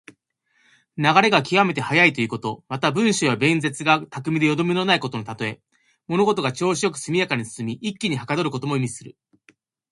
流れが極めて速いということ。また、文章や弁舌が巧みでよどみのないことのたとえ。物事が調子良く速やかに進み、一気にはかどることも意味する。